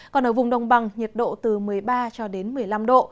còn ở vùng đồng bằng nhiệt độ từ một mươi ba cho đến một mươi năm độ